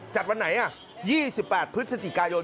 วันไหน๒๘พฤศจิกายน